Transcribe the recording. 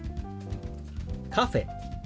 「カフェ」。